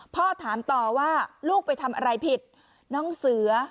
พ่อถามต่อว่าลูกไปทำอะไรผิดน้องเสือ